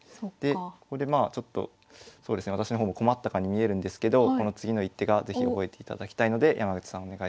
ここでまあちょっと私の方も困ったかに見えるんですけどこの次の一手が是非覚えていただきたいので山口さんお願いします。